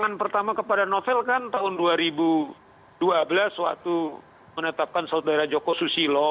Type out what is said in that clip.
yang pertama kepada novel kan tahun dua ribu dua belas waktu menetapkan saudara joko susilo